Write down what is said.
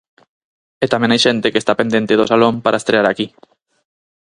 E tamén hai xente que está pendente do Salón para estrear aquí.